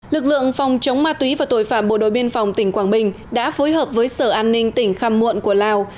lực lượng phòng chống ma túy và tội phạm bộ đội biên phòng tỉnh quảng bình đã phối hợp với sở an ninh tỉnh khăm muộn của lào